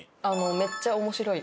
めっちゃ面白い。